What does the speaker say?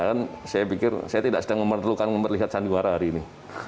saya pikir saya tidak sedang memerlukan memperlihat sandiwara hari ini